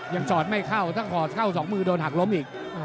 จอดไม่เข้าถ้าหอดเข้าสองมือโดนหักล้มอีก